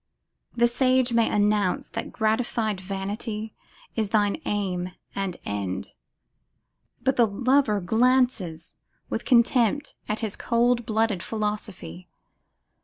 The sage may announce that gratified vanity is thine aim and end; but the lover glances with contempt at his cold blooded philosophy.